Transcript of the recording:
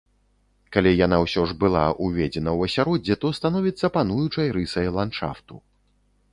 Калі яна ўсё ж была ўведзена ў асяроддзе, то становіцца пануючай рысай ландшафту.